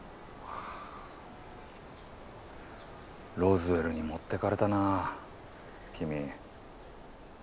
ロズウェルに持ってかれたな君。